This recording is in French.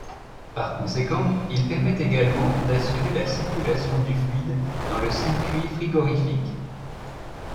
Par conséquent, il permet également d'assurer la circulation du fluide dans le circuit frigorifique.